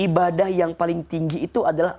ibadah yang paling tinggi itu adalah